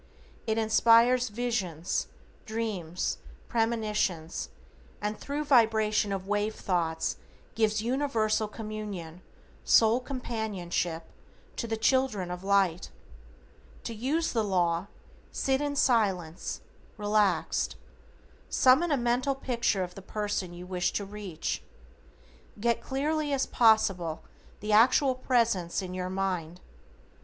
It inspires visions, dreams, premonitions, and thru vibration of wave thoughts gives universal communion, soul companionship, to the children of Light. To use the law, sit in Silence, relaxed. Summon a mental picture of the person you wish to reach. Get clearly as possible the actual presence in your mind.